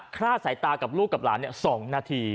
ฆ่าสายตากับลูกกับหลาน๒นาที